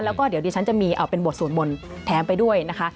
แล้วก็เดี๋ยวดิฉันจะมีเป็นบทสวดมนต์แถมไปด้วยนะคะ